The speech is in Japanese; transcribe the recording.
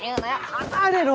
離れろ！